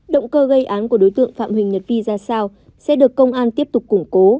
động cơ gây án của đối tượng phạm huỳnh nhật vi ra sao sẽ được công an tiếp tục củng cố